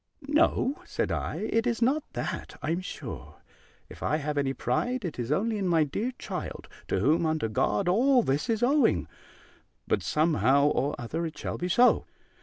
"No," said I, "it is not that, I'm sure. If I have any pride, it is only in my dear child to whom, under God, all this is owing. But some how or other it shall be so."